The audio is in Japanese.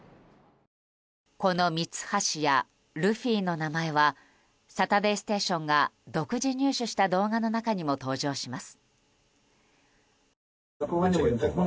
このミツハシやルフィの名前は「サタデーステーション」が独自入手した動画の中にも登場します。